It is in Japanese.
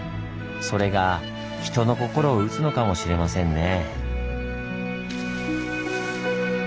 それが人の心を打つのかもしれませんね。